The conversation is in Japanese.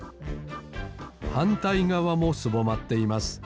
はんたいがわもすぼまっています。